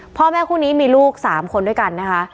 พ่อแม่คู่นี้มีลูก๓คนด้วยกันนะคะ